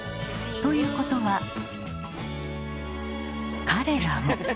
ということは彼らも。